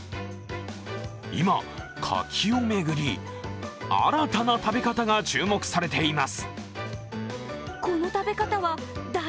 今、柿を巡り新たな食べ方が注目されています。